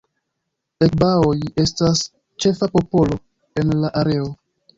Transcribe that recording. Egbaoj estas ĉefa popolo en la areo.